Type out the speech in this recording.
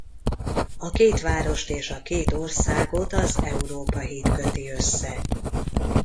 A két várost és a két országot az Európa-híd köti össze.